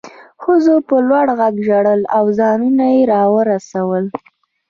ښځو په لوړ غږ ژړل او ځانونه یې راورسول